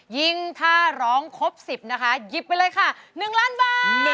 ยิ่งถ้าร้องครบ๑๐นะคะหยิบไปเลยค่ะ๑ล้านบาท